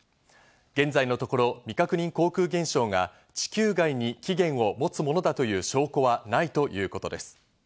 現在のところ未確認航空現象が地球外に起源を持つものだという証拠はないということです。